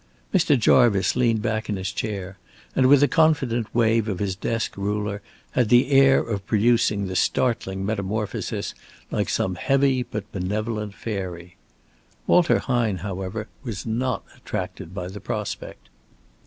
Mr. Jarvice leaned back in his chair, and with a confident wave of his desk ruler had the air of producing the startling metamorphosis like some heavy but benevolent fairy. Walter Hine, however, was not attracted by the prospect.